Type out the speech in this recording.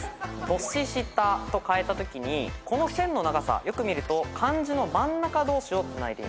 「としした」とかえたときにこの線の長さよく見ると漢字の真ん中同士をつないでいます。